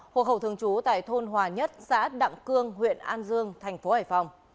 hộ khẩu thường trú tại thôn hòa nhất xã đặng cương huyện an dương tp hcm